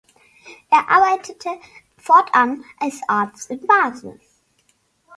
Er arbeitete fortan als Arzt in Basel.